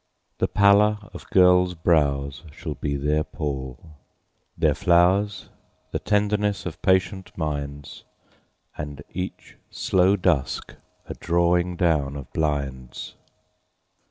The pallor of girls' brows shall be their pall; Their flowers the tenderness of patient minds, And each slow dusk a drawing down of blinds.